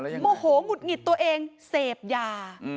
โมโหหงุดหงิดตัวเองเสพยา